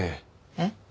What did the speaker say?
えっ？